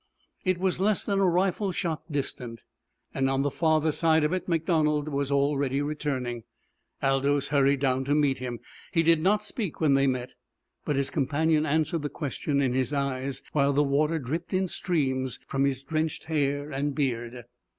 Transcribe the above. It was less than a rifle shot distant, and on the farther side of it MacDonald was already returning. Aldous hurried down to meet him. He did not speak when they met, but his companion answered the question in his eyes, while the water dripped in streams from his drenched hair and beard.